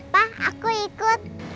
pak aku ikut